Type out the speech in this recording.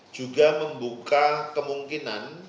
juga membuka kemungkinan